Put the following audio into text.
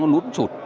nó nút sụt